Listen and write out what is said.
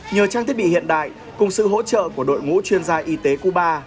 nhờ trang thiết bị hiện đại cùng sự hỗ trợ của đội ngũ chuyên gia y tế cuba